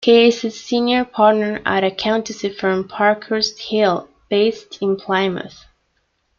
He is a Senior Partner at accountancy firm Parkhurst-Hill based in Plymouth.